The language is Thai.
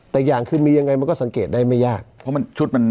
แต่อย่างคือมียังไงมันก็สังเกตได้ไม่ยากเพราะมันชุดมัน